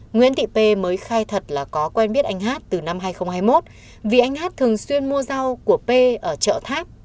nguyễn thị pê mới khai thật là có quen biết anh hát từ năm hai nghìn hai mươi một vì anh hát thường xuyên mua rau của p ở chợ tháp